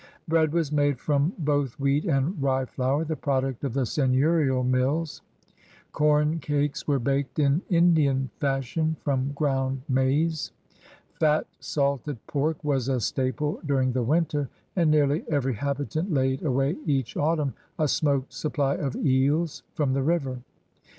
Bread was made from both wheat and rye flour, the product of the seigneurial mills. Com cakes were baked in Lidian fashion from groimd 214 CRUSADEBS OF NEW PRANCE maize. Fat salted pork was a staple during the winter, and nearly every habitant laid away each autumn a smoked supply of eels from the river.